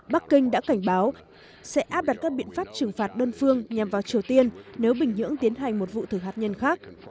bắc kinh đã cảnh báo sẽ áp đặt các biện pháp trừng phạt đơn phương nhằm vào triều tiên nếu bình nhưỡng tiến hành một vụ thử hạt nhân khác